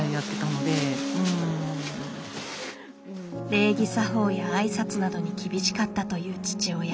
礼儀作法や挨拶などに厳しかったという父親。